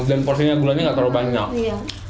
dan porsinya gulanya nggak terlalu banyak